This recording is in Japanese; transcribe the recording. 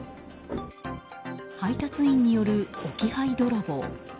配達員による置き配泥棒。